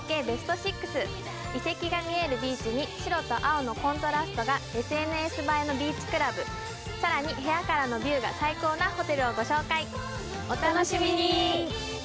ベスト６遺跡が見えるビーチに白と青のコントラストがＳＮＳ映えのビーチクラブさらに部屋からのビューが最高なホテルをご紹介お楽しみに！